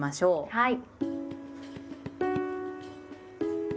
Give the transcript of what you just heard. はい。